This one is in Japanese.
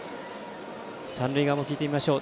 三塁側も聞いてみましょう。